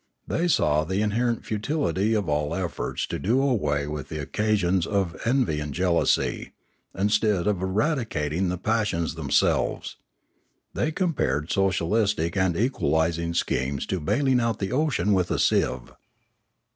They saw the inher ent futility of all efforts to do away with the occasions of envy and jealousy, instead of eradicating the passions themselves. They compared socialistic and equalising schemes to bailing out the ocean with a sieve.